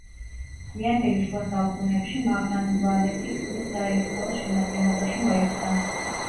გვიანდელი შუა საუკუნეებში მაღრანდვალეთი ქსნის საერისთავოს შემადგენლობაში მოექცა.